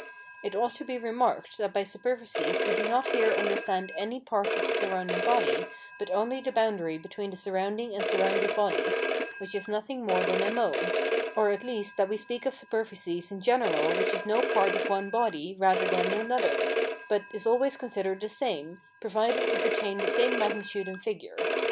It ought to be remarked that by superficies we do not here understand any part of the surrounding body, but only the boundary between the surrounding and surrounded bodies, which is nothing more than a mode; or at least that we speak of superficies in general which is no part of one body rather than another, but is always considered the same, provided it retain the same magnitude and figure.